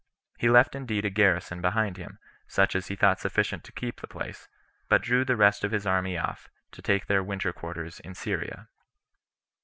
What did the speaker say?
He left indeed a garrison behind him, such as he thought sufficient to keep the place, but drew the rest of his army off, to take their winter quarters in Syria.